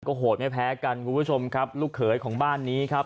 โหดไม่แพ้กันคุณผู้ชมครับลูกเขยของบ้านนี้ครับ